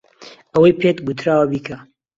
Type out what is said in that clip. ئەوەی پێت گوتراوە بیکە.